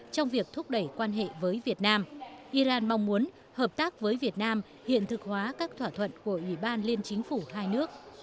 trong việc thúc đẩy quan hệ với việt nam iran mong muốn hợp tác với việt nam hiện thực hóa các thỏa thuận của ủy ban liên chính phủ hai nước